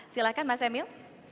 silahkan mas emil